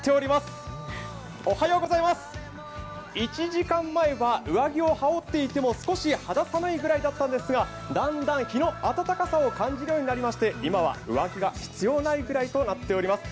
１時間前は上着を羽織っていても少し肌寒いぐらいだったんですがだんだん日の暖かさを感じるようになりまして今は、上着が必要ないぐらいとなっています。